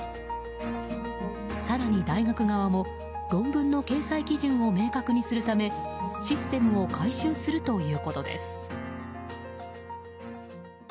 更に、大学側も論文の掲載基準を明確にするためシステムを改修するということです。